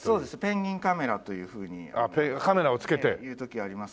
ペンギンカメラというふうに言う時ありますけども。